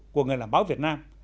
của người làm báo việt nam